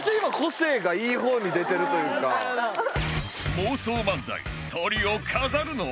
妄想漫才トリを飾るのは